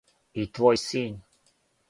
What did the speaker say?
И твој син.